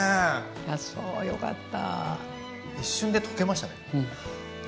あそうよかった。